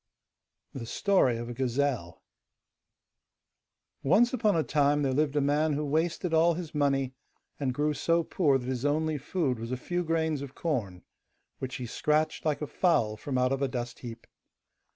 THE STORY OF A GAZELLE Once upon a time there lived a man who wasted all his money, and grew so poor that his only food was a few grains of corn, which he scratched like a fowl from out of a dust heap.